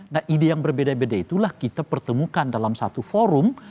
nah ide yang berbeda beda itulah kita pertemukan dalam satu forum